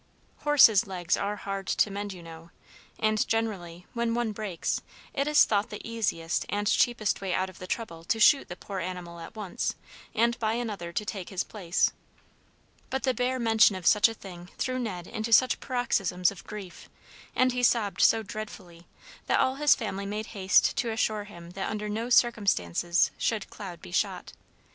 Horses' legs are hard to mend, you know; and generally when one breaks, it is thought the easiest and cheapest way out of the trouble to shoot the poor animal at once, and buy another to take his place. But the bare mention of such a thing threw Ned into such paroxysms of grief, and he sobbed so dreadfully, that all his family made haste to assure him that under no circumstances should Cloud be shot.